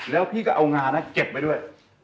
แล้วพี่ก็เอางานะเก็บไว้ด้วย